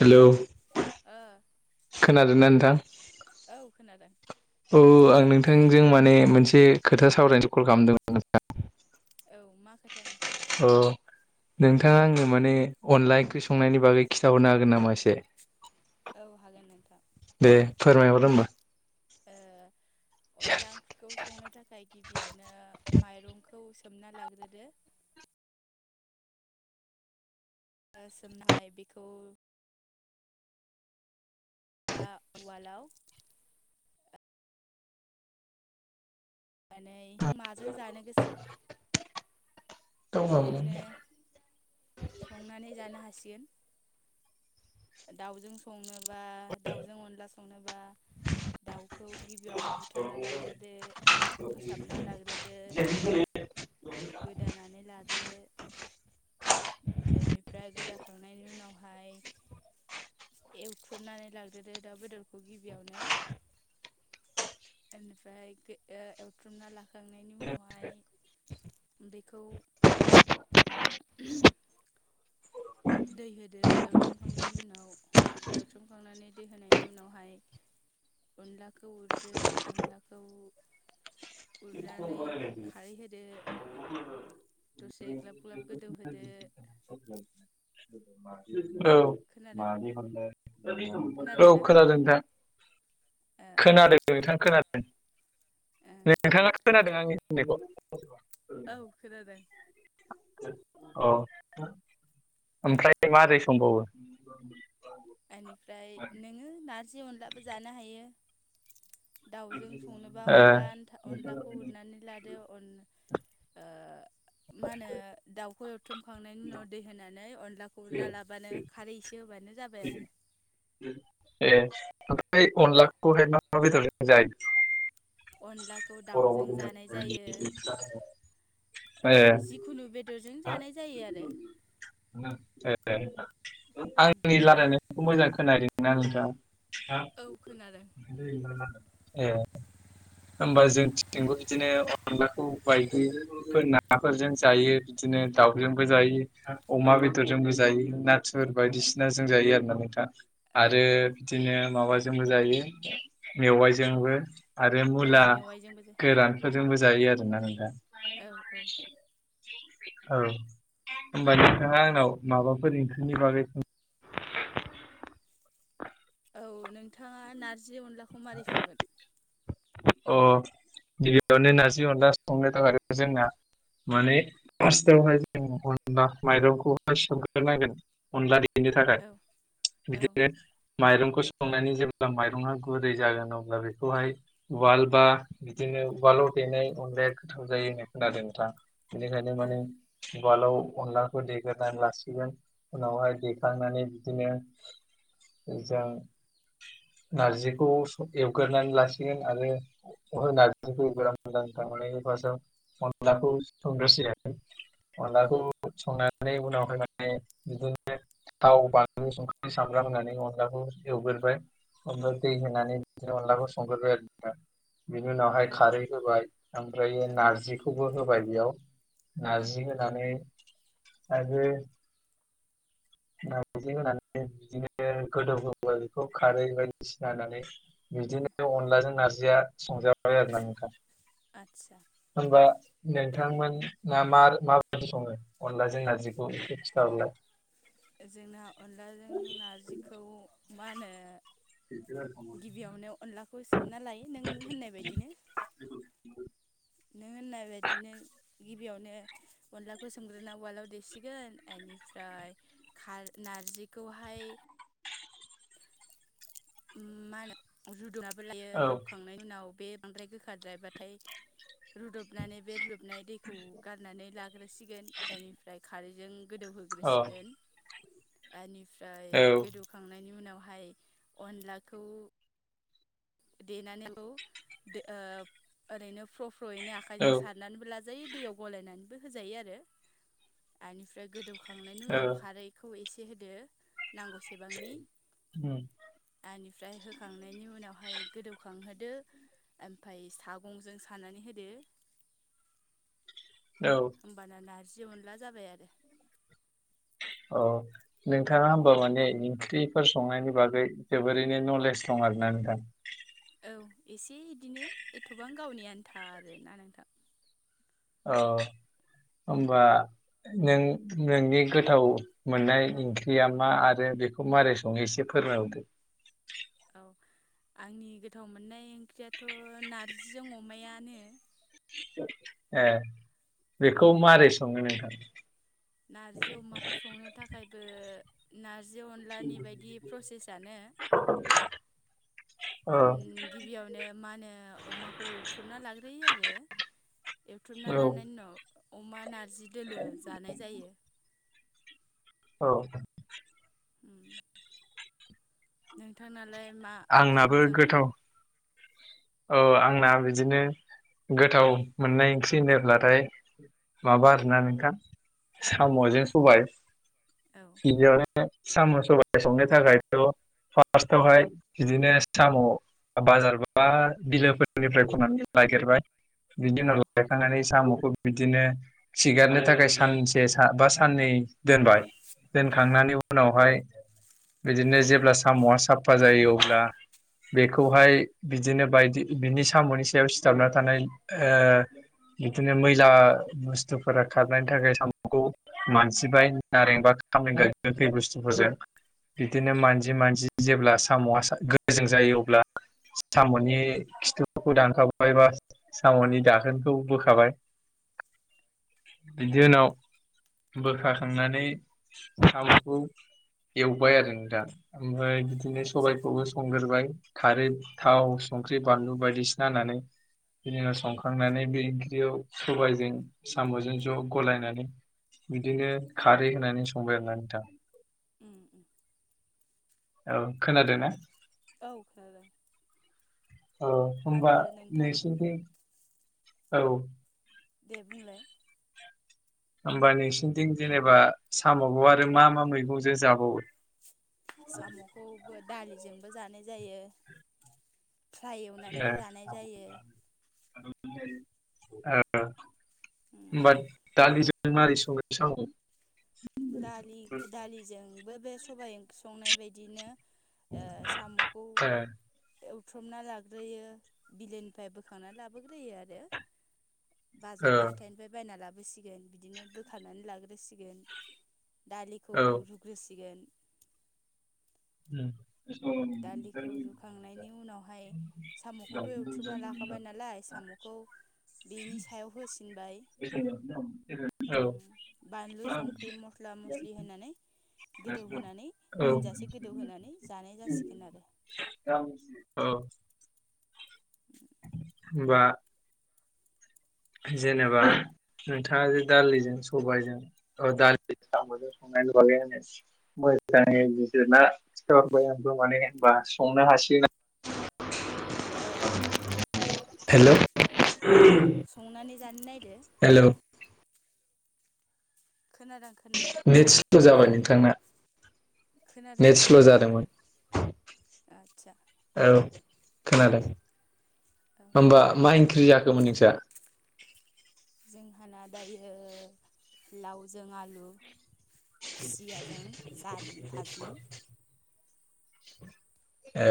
Hello. ओ। खोनादो ना नोंथां। औ खोनादों। औ आं नोंथांजों माने मोनसे खोथा सावरायनोसो कल खालामदोंमोन [unintelligible] औ मा खोथा नोंथां। अ नोंथाङा आंनो माने अनला ओंख्रि संनायनि बागै खिन्थाहरनो हागोन नामा एसे। औ हागोन नोंथां। दे फोरमायहर होमबा। ओ अनला ओंख्रिखौ संनो थाखाय गिबियावनो माइरं खौ सोमना लाग्रोदो। ओ सोमनाय बिखौ। ओ उवालाव मानै नों माजों जानो गोसो। बेजोंनो संनानै जानो हासिगोन दाउजों संनो बा दाउजों अनला संनोबा। दाउखौ गिबियावनो बुथारना लाग्रोदो फोसाबना लाग्रोदो। [unintelligible] गोदानानै लादो। बेनिफ्राय गोदाखांनायनि उनावहाय एवख्रुबनानै लादग्रोदो दाउ बेदरखौ गिबियावनो। एनिफ्रा ओ एवथ्रुमना लाखांनायनि उनावहाय बेखौ। [unintelligible] दै होदो एवथ्रमखांनायनि उनाव एवथ्रोमखांनानै दै होनायनि उनावहाय अनलाखौ उरदो अनलाखौ। उरनानै खारै होदो। दसे ग्लाब-ग्लाब गोजौ होदो। खोनादों औ-औ खोनादोंना खोनादो नोंथां। औ खोनादों नोंथां खोनादों। ओं नोंथाङा खोनादों आंनि होननायखौ। औ खोनादों। अ ओमफ्राय मारै संबावो। [inaudible] एनिफ्राय नोङो नारजि अनलाबो जानो हायो। दाउजों संनोबा ओ अनलानथा अनलाखौ उरनानै लादो अन ओ मा होनो दाउखौ बुथ्रुमखांनायनि उनाव दै होनानै अनलाखौ उरना लाबानो खारै एसे होबानो जाबाय आरो। ए ओमफ्राय अनलाखौहाय मा-मा बेदरजों जायो। अनलाखौ दाउजों जानाय जायो ए जिखुनु बेदरजों जानाय जायो आरो ए आंनि रायलायनायखौ मोजां खोनादोंनाा नोंथाङा औ खोनादों [unintelligible] होमबा जोंथिंबो बिदिनो अनलाखौ बायायो नाफोरजों बिदिनो दाउजोंबो अमा बेदरजोंबो जायो ना ुर बायदिसिनाजों जायो आरो ना नोंथां औ आरो औ बिदिनो माबाजोंबो जायो औ मेवाइजोंबो आरो औ मुला मेवाइजोंबो गोरानफोरजोंबो जायो आरोना नों दा औ औ औ होमबा नोंथाङा आंनाव माबाफोर ओंख्रिनि बागै औ नोंथाङा नारजि अनलाखौ मारै संगोन? अ गिबियावनो नारजि अनला संनाय दं आरो जोंना माने फार्स्टआवहाय जों अनला माइरंखौहाय सोमग्रोनांगोन अनला दैदेननो थाखाय औ औ ओ बिदिनो माइरंखौ संनानै जेब्ला माइरङआ गुरै जागोन अब्ला बेखौहाय उवाल बा बिदिनो उवालाव देनाय अनलाया गोथाव जायो होनना खोनादों नोंथां बेख औ मान गाल अनखौ द लासिग उनावहाय देखांनानै बिदिनो जों नारजिखौ एवगोरानै लासिगोन आरो नार ग मोन मान बास मदाखौ सन्दस अलााखौ संनानै उनाव फैानै बिदिनो थाव बानलु संख्रि सामग्रा होननानै अनलाखौ एवग्रबाय अ दैनानै संग्रबाय आरो बिनि उनावहाय औ खारै होबाय ओमफ्र औ नारजिखौ खौबो होबाय बेयाव औ नारजि होनानै आरो ना बायदि होनानै बिदिनो गोदौहाय बेखौ खारै बायदिसिना होनानै बिदिनो अनलाजों नारजिया संजाबाय आरो ना नखा आदसा होनबा नोंथांमोना म माबायदि सङो अरला ज नजिखौथ अला जोंना अनलाजों खिथाहरलाय नारजिखौ मा होनो गिबियावनो अनलाखौ सोमना लायो नों होननाय बायदिनो नों होननाय बायदिनो गिबियावनो अनलाखौ सोमग्रोना उवालाव देसिगोन बेनिफ्राय नारजिखौहाय मा होनो रुदुाबो लायो औ लोबखांनायनि उनाव बे बांद्राय गोखाराद्रायबाथाय रुदबनानै बे रुदबनाय दैखौ गारनानै लाग्रोसिगोन बेनिफ्राय खारैजों गोदौहोग्रोसिगोन बेनिफ्राय औ गोदौखांनायनि उनावहाय अनलाखौ देनानै ओरैनो फ्र' फ्रयैनो औ आखाइजों सारनानैबो ला जायो दैयाव गलायनानैबो होजायो आरो बेनिफ्राय गोदौखांनायनि औ उनाव खारै खौ एसे होदो नांगौसेबांनि उम बेनिफ्राय बहाय गोदौखांहोदो ओमफफ्राय सागंजों सानानै होदो औ होमबाना नारजि मोनला जाबाय आरो औ नोंथांआ ओमबा माने ओंख्रिफोर संनायनि बागै जोबोरैनो नलेज दं आरो ना नोंथां औ एसे इदिनो एथ'बां गावनि आन्था आरो ना नोंथां औ ओमबा नों नोंनि गोथाव मोननाय ओंख्रिया मा आरो बेखौ माबारै सङो एसे फोरमायरदो औ आंनि गोथाव मोननाय ओंख्रियाथ' नारजिजों अमायानो ओ उम बेखौ मोरै सङो नोंथां नारजि अमाखौ संनो थाखायबो नारजि अनलानि बायदि प्रसेसानो [unintelligible] औ गिबियावनो मा होनो अमाखौ एवथ्रुबना लाग्रोयो आरो एवथुबना औ लानायनि उनाव अमा नारजि दोलो जानाय जायो। औ अम नोंथांनालाय मा ओंख्रि आंनाबो मोजां मोनो। गोथाव औ आंना बिदिनो गोथाव मोननाय ओंख्रि होनोब्लाथाय माबा आरोना नोंथां साम'जों सबाय औ गिबियावनो साम' सबाइ संनो थाखाय थ' फार्सथावहाय बिदिनो साम' बाजारबा बा बिलोफोरनिफ्राय खननानै नागिरबाय बिनि उनाव औ लायखांनानै साम'खौ बिदिनो खिगारनो थाखाय सानसे बा साननै दोनबाय ओ दोनखांनायनि उनावहाय बिदिनो जेब्ला साम'आ साफा जायो अब्ला बेखौहाय बिदिनो बायदि बिनि साम'नि सायाव सिथाबना थानाय ओ बिदिनो मैला बुस्थुफोरा खारनायनि थाखाय साम'खौ मानजिबाय नारेंबा कारजि गोखै बुस्थुफोरजों औ बिदिनो मानजि मानजि जेब्ला साम'आ गोजों जायो अब्ला साम'नि खिथुफोरखौ दानखावबाय बा साम'नि दाखोनखौ बोखाबाय बिनि उनाव बोखाखांनानै साम'खौ एवबाय आरो नोंथां ओमफ्राय बिदिनो आदसा सबायाइखौबो संग्रबाय खारै थाव संख्रि बानलु बायदिसिना होनानै बिनि उनाव संखांनानै बे ओंख्रियाव सबायजों साम'जों ज' गलायनानै बिदिनो खारै होनानै संबाय आरोना नोंथां अम अम औ खोनादोंना औ खोनादों औ होनबा आरो नोंथां नोंसोरनिथिं औ दे बुंलाय होमबा नोंसोरथिं जेनेबा साम'बो आरो मा मा मैगंजो जाबावो। साम'खौबो दालिजोंबो जानाय जायो। फ्राय ए एवनानैबो जानाय जायो। ओ उम होमबा दालिजों मारै संङो साम'खौ दालि दालिजोंबो बे सबाय ओंख्रि संनाय बायदिनो ओ साम'खौ ए एवथुमना लाग्रोयो बिलोनिफ्राय बोखांना लाबोग्रोयो आरो। ओ बाजार बा हाथायनिफ्राय बायना लाबोसिगोन बिदिनो बोखारनानै लाग्रोसिगोन। दालिखौ औ रुग्रोसिगोन अम दालिखौ रुखांनायनि उनावहाय साम'खौथ' एवथ्रुमना लाखाबाय नालाय साम' खौ बेनि सायाव होसिनबाय [unintelligible] अम बानलु संख्रि मस्ला मस्लि होनानै गोदौहोनानै औ मोनजासे गोदौहोनानै जानाय जासिगोन आरो। औ [unintelligible] होमबा जेनेबा नोंथाङा जे दालिजों सबायजों। औ दालि [unintelligible] [unintelligible] संनो हासिना औ औ। हेल' [unintelligible] संनानै जानो नायदो। हेलौ खोनादों खो नेतस्ल' जाबाय नोंथांना। खोनादों नेट स्ल' नोंथां जादोंमोन खोनादों आतसा औ खोनादों औ होमबा मा इंख्रि जाखोमोन नोंसा? जोंहाना दायो लावजों आलु खुसियाजों जारि भाजि ए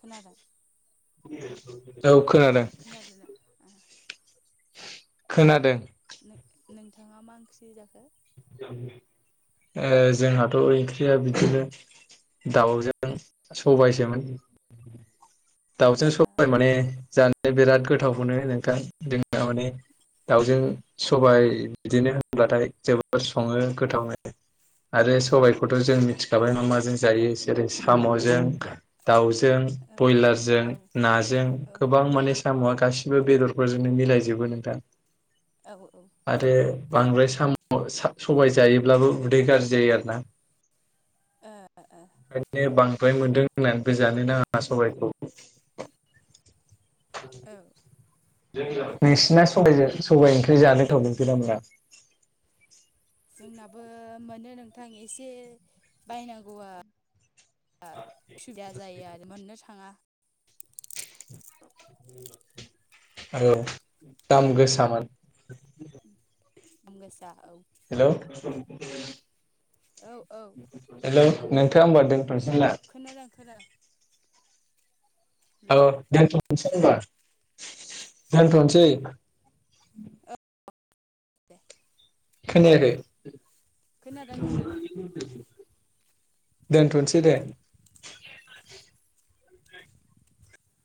खोनादों औ खोनादों खोनादोना आ खोनादों नो-नोंथाङा मा ओंख्रि जाखो? ओ जोंहाथ' ओंख्रिया बिदिनो दाउजों सबायसोमोन दाउजों आदसा सबबाय माने जानो बिराद गोथाव मोनो नोंथां जोंहा माने दाउजों सबाय बिदिनो होनब्लाथाय जोबोद सङो गोथावो आरो सबाय‌ खौथ' जों मिथिखाबाय मा माजों जायो जेरै साम'जों दाउजों औ बयलारजों औ नाजों गोबां माने साम'आ गासिबो बेदरफोरजोंनो मिलायजोबो नोंथां। औ औ। आरो बांद्राय साम' [unintelligible] सबाय जायोब्लाबो उदै गाज्रि जायो आरो ना। ओ ओ। ओंखायनो बांद्राय मोन्दों होननानैबो जानो नाङा सबायखौ। [inaudible] औ नोंसिना सबाइजों सबाइ ओंख्रि जानो [unintelligible] मोना जोंनाबो मोनो नोंथां एसे बायनांगौआ आ उसुबिदा जायो आरो मोननो थाङा। औ दाम गोसामोन। ओम दाम गोसा औ। हेलौ [inaudible] औ औ हेल' नोंथां होनबा दोनथ'सै ना खोनादों खोनादों हेलौ औ दोनथ'नसै होनबा दोनथ'नसै औ दे खोनायाखै खोनादों खोनादों [unintelligible] दोनथ'नसै दे